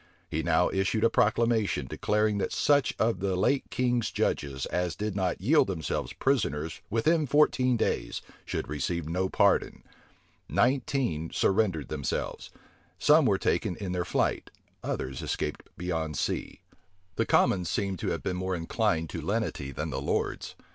He now issued a proclamation declaring that such of the late king's judges as did not yield themselves pris oners within fourteen days, should receive no pardon. Nine teen surrendered themselves; some were taken in their flight; others escaped beyond sea. The commons seem to have been more inclined to lenity than the lords.